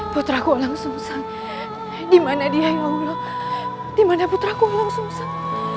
putraku walang sungsang dimana dia ya allah dimana putraku walang sungsang